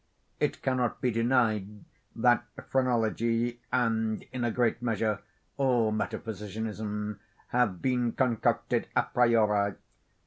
It cannot be denied that phrenology and, in great measure, all metaphysicianism have been concocted a priori.